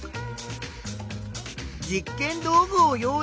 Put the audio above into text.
実験道具を用意して。